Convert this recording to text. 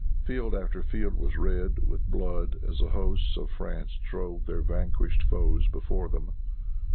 Field after field was red with blood as the hosts of France drove their vanquished foes before them.